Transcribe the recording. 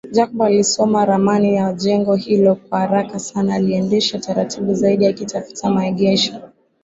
Jacob aliisoma ramani ya jengo hilo kwa haraka sana aliendesha taratibu zaidi akitafuta maegesho